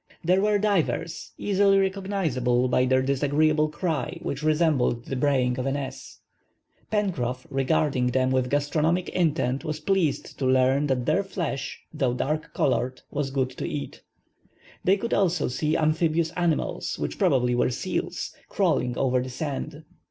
There were divers, easily recognizable, by their disagreeable cry, which resembled the braying of an ass. Pencroff, regarding them with gastronomic intent, was pleased to learn that their flesh, though dark colored, was good to eat. They could also see amphibious animals, which probably were seals, crawling over the sand.